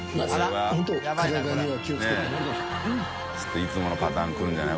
いつものパターン来るんじゃない？